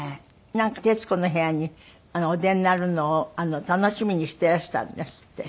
なんか『徹子の部屋』にお出になるのを楽しみにしていらしたんですって。